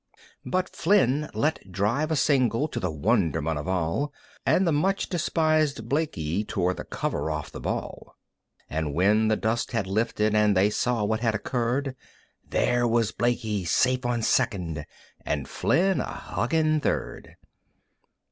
But Flynn let drive a single to the wonderment of all, And the much despisèd Blaikie tore the cover off the ball; And when the dust had lifted, and they saw what had occurred, There was Blaikie safe on second and Flynn a hugging third!